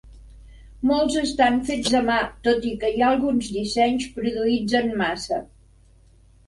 Molts estan fets a mà, tot i que hi ha alguns dissenys produïts en massa.